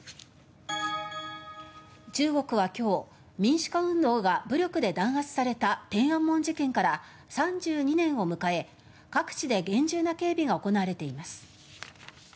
中国は今日民主化運動が武力で弾圧された天安門事件から３２年を迎え各地で厳重な警備が行われています。